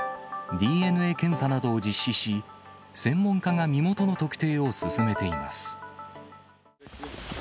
ＤＮＡ検査などを実施し、専門家が身元の特定を進めています。